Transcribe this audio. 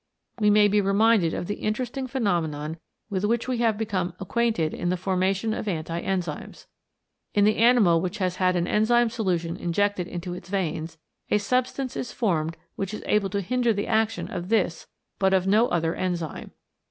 We may be reminded of the interesting phenomenon with which we became acquainted in the formation of anti enzymes. In the animal which has had an enzyme solution injected into its veins, a substance is formed which is able to hinder the action of this but of no other enzyme.